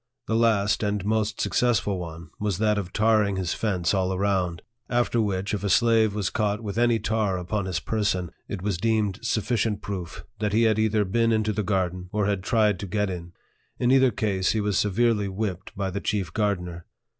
The last and most successful one was that of tarring his fence all around ; after which, if a slave was caught with any tar upon his person, it was deemed sufficient proof that he had either been into the garden, or had tried to get in. In either case, he was severely whipped by the chief gardener.